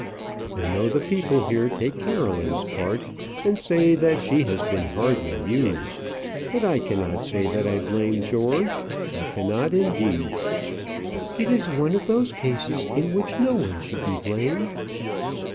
I know the people here take Caroline's part, and say that she has been hardly used. But I cannot say that I blame George; I cannot, indeed." "It is one of those cases in which no one should be blamed."